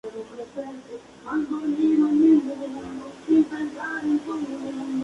Éstos conforman el grueso de la tradición inmemorial del son huasteco.